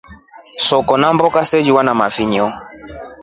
Soko na mboka saliwa na mafinyo.